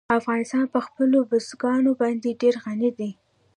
افغانستان په خپلو بزګانو باندې ډېر غني دی.